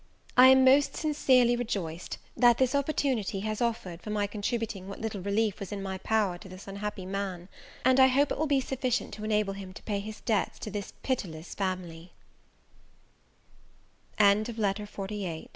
I am most sincerely rejoiced, that this opportunity has offered for my contributing what little relief was in my power to this unhappy man; and I hope it will be sufficient to enable him to pay his debts to this pitiless family. LETTER XLIX. MR. VILLARS TO EVELINA.